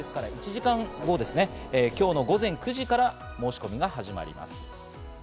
１時間後、午前９時から申し込みが始まります。